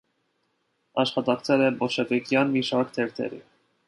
Աշխատակցել է բոլշևիկյան մի շարք թերթերի։